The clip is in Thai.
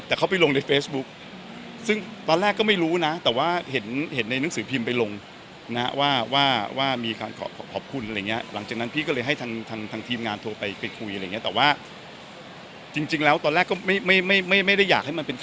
บางทางชูแม่ต่ออันได้มีความพูดอะไรจบหรือ